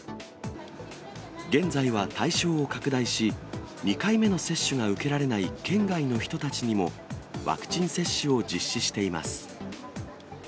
現在は対象を拡大し、２回目の接種が受けられない県外の人たちにも、ワクチン接種を実施しています。